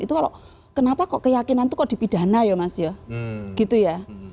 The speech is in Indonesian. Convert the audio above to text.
itu kalau kenapa kok keyakinan itu kok dipidana ya mas ya gitu ya